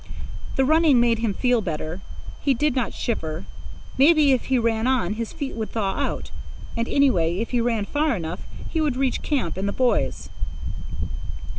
The running made him feel better. He did not shiver. Maybe, if he ran on, his feet would thaw out; and, anyway, if he ran far enough, he would reach camp and the boys.